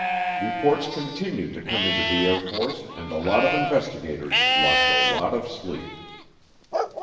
Reports continued to come into the Air Force and a lot of investigators lost a lot of sleep.